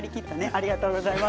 ありがとうございます。